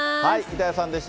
板谷さんでした。